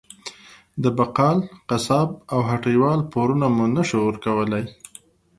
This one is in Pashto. د بقال، قصاب او هټۍ وال پورونه مو نه شو ورکولی.